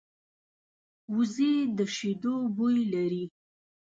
وزې د شیدو بوی لري